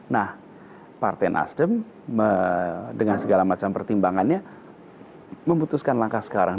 nah partai nasdem dengan segala macam pertimbangannya memutuskan langkah sekarang